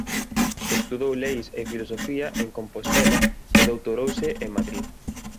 Estudou Leis e Filosofía en Compostela e doutorouse en Madrid.